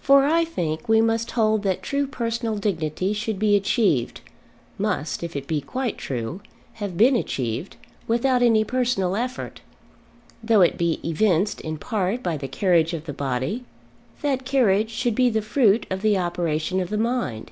For I think we must hold that true personal dignity should be achieved, must, if it be quite true, have been achieved, without any personal effort. Though it be evinced, in part, by the carriage of the body, that carriage should be the fruit of the operation of the mind.